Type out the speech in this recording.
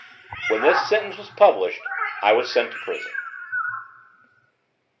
When this sentence was published, I was sent to prison.